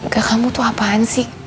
ke kamu tuh apaan sih